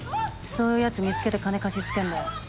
そういうやつ見つけて金貸し付けんだよ。